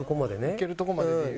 いけるとこまで。